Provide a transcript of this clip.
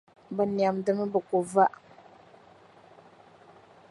Bɛ nɛmdimi bɛ ku va.